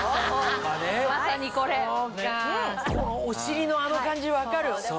お尻のあの感じ分かる。